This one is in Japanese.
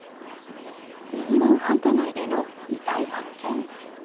にぎわう繁華街での遺体発見。